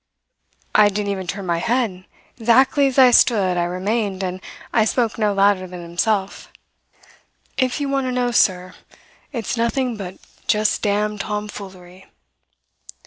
"I didn't even turn my head; 'xactly as I stood, I remained, and I spoke no louder than himself: "'If you want to know, sir, it's nothing but just damned tom foolery.'